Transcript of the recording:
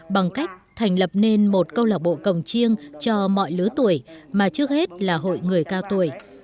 bằng cách thành lập nên một câu lạc bộ cồng chiêng cho mọi lứa tuổi mà trước hết là hội người cao tuổi